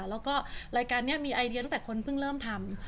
แล้วก็รายการนี้มีไอเดียตั้งแต่คนเพิ่งเริ่มทำ